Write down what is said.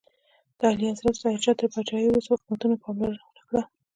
د اعلیحضرت ظاهر شاه تر پاچاهۍ وروسته حکومتونو پاملرنه ونکړه.